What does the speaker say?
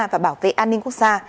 và bảo vệ an ninh quốc gia